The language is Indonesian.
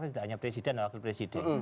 tidak hanya presiden dan wakil presiden